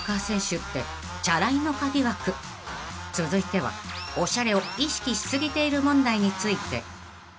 ［続いてはオシャレを意識し過ぎている問題について］